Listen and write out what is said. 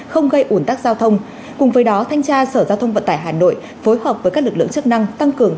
không gây ủn tắc giao thông cùng với đó thanh tra sở giao thông vận tải hà nội phối hợp với các lực lượng chức năng tăng cường